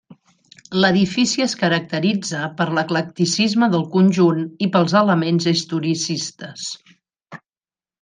L'edifici es caracteritza per l'eclecticisme del conjunt i pels elements historicistes.